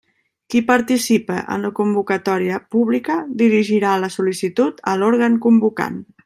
Qui participe en la convocatòria pública dirigirà la sol·licitud a l'òrgan convocant.